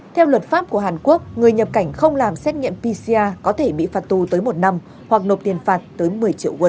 theo luật pháp của hàn quốc người nhập cảnh không làm xét nghiệm pcr có thể bị phạt tù tới một năm hoặc nộp tiền phạt tới một mươi triệu won